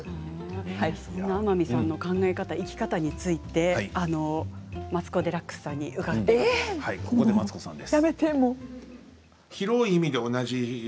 そんな天海さんの考え方生き方についてマツコ・デラックスさんに伺っています。